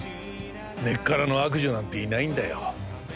根っからの悪女なんていないんだよ。